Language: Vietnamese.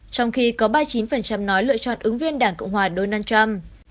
trong khi có ba mươi chín nói lựa chọn ứng viên đảng cộng hòa donald trump